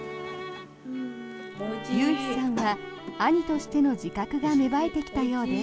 悠陽さんは兄としての自覚が芽生えてきたようです。